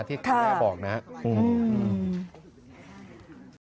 ที่แม่บอกนะครับอืมอืมค่ะ